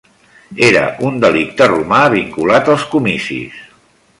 Era un delicte romà vinculat als comicis.